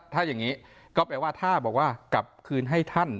ถ้าอย่างนี้ก็แปลว่าถ้าบอกว่ากลับคืนให้ท่าน